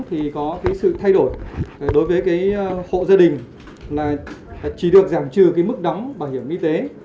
thì có sự thay đổi đối với hộ gia đình là chỉ được giảm trừ mức đóng bảo hiểm y tế